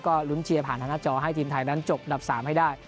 ก็ลุ้นเชียร์ผ่านทางหน้าจอให้ทีมไทยนั้นจบดับ๓ให้ได้